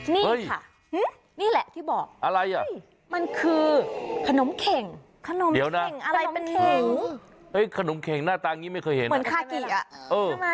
นี่ค่ะนี่แหละที่บอกอะไรอ่ะมันคือขนมเข่งขนมเข่งอะไรเป็นขนมเข็งหน้าตาอย่างนี้ไม่เคยเห็นเหมือนคากิอ่ะ